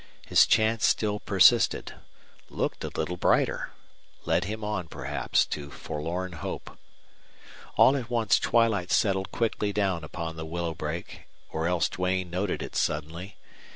His chance still persisted looked a little brighter led him on, perhaps, to forlorn hope. All at once twilight settled quickly down upon the willow brake, or else Duane noted it suddenly.